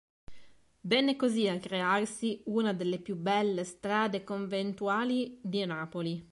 Venne così a crearsi una delle più belle strade conventuali di Napoli.